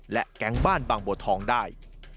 และแก๊งบ้านบางบัวทองได้